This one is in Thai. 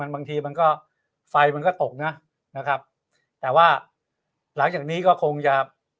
บางทีมันก็ไฟมันก็ตกนะนะครับแต่ว่าหลังจากนี้ก็คงจะ